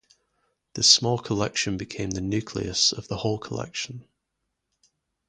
This small collection became the nucleus of the whole collection.